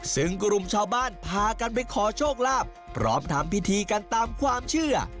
ซึ่งกลุ่มชาวบ้านพากันไปขอโชคลาภพร้อมทำพิธีกันตามความเชื่อ